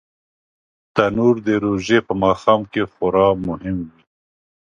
تنور د روژې په ماښام کې خورا مهم وي